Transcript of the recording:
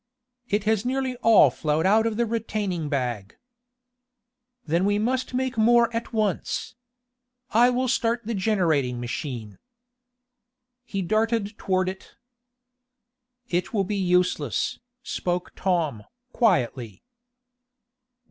"It has nearly all flowed out of the retaining bag." "Then we must make more at once. I will start the generating machine." He darted toward it. "It will be useless," spoke Tom, quietly.